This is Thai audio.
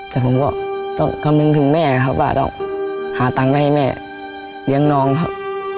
แต่ผมก็ต้องคำนึงถึงแม่ครับว่าต้องหาตังค์ให้แม่เลี้ยงน้องครับ